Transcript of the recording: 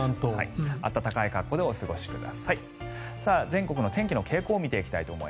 暖かい格好でお過ごしください。